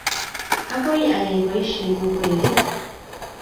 agoi ayai boishenyu koi ain